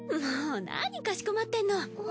もう何かしこまってんの。